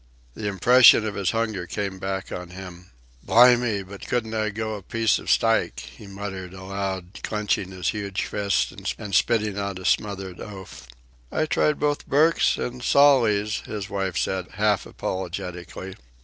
The impression of his hunger came back on him. "Blimey, but couldn't I go a piece of steak!" he muttered aloud, clenching his huge fists and spitting out a smothered oath. "I tried both Burke's an' Sawley's," his wife said half apologetically.